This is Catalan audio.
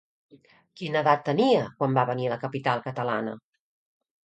Quina edat tenia quan va venir a la capital catalana?